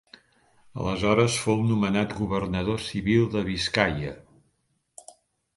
Aleshores fou nomenat governador civil de Biscaia.